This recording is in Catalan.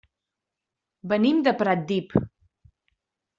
Venim de Pratdip.